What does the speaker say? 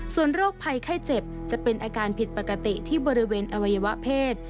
ส่วนโรคภัยไข้เจ็บจะเป็นอาการผิดปกติที่บริเวณอวัยวะเพศ